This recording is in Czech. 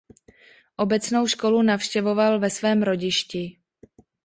Obecnou školu navštěvoval ve svém rodišti.